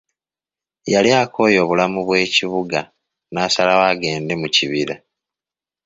Yali akooye obulamu bw'ekibuga n'asalawo agende mu kibira.